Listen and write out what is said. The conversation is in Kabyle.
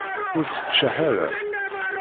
Ur tteččeḥ ara!